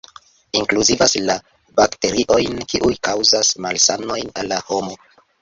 Inkluzivas la bakteriojn kiuj kaŭzas malsanojn al la homo.